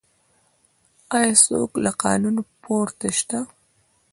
آیا څوک له قانون پورته شته؟